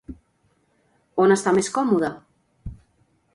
On està més còmode?